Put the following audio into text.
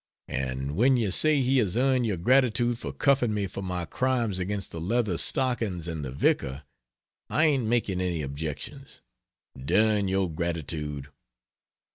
And when you say he has earned your gratitude for cuffing me for my crimes against the Leather stockings and the Vicar, I ain't making any objection. Dern your gratitude!